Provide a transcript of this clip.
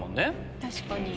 確かに。